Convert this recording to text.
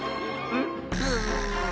うん。